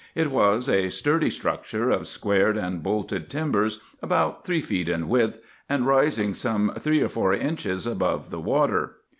It was a sturdy structure, of squared and bolted timbers, about three feet in width, and rising some three or four inches above the water.